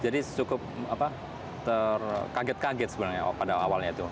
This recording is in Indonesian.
jadi cukup kaget kaget sebenarnya pada awalnya itu